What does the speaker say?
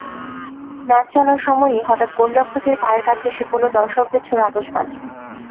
Match চলার সময়ই হঠাৎ গোলরক্ষকের পায়ের কাছে এসে পড়ল দর্শকদের ছোড়া আতশবাজি।